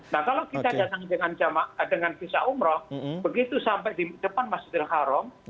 nah kalau kita datang dengan visa umrah begitu sampai di depan masjid al kharam